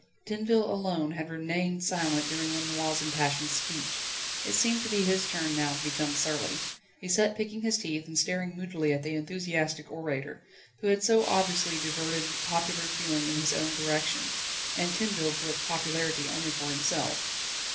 Tinville alone had remained silent during Lenoir's impassioned speech. It seemed to be his turn now to become surly. He sat picking his teeth, and staring moodily at the enthusiastic orator, who had so obviously diverted popular feeling in his own direction. And Tinville brooked popularity only for himself.